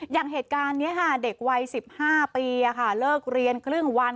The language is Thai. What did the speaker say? อย่างเหตุการณ์นี้ค่ะเด็กวัย๑๕ปีเลิกเรียนครึ่งวัน